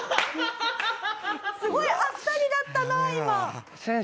すごいあっさりだったな今。